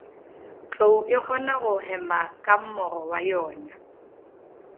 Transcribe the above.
Tlou e kgona go hema ka mmogo wa yona.